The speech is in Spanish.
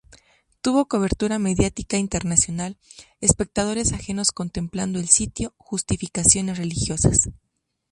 Tuvo cobertura mediática internacional, espectadores ajenos contemplando el sitio, justificaciones religiosas.